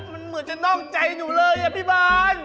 มันเหมือนจะนอกใจหนูเลยอะพี่บ้าน